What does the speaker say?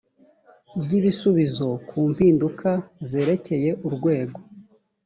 ry ibisubizo ku mpinduka zerekeye urwego